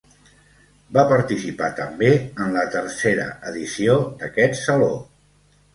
Va participar també en la tercera edició d'aquest saló.